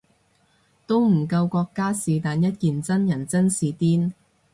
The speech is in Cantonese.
都唔夠國家是但一件真人真事癲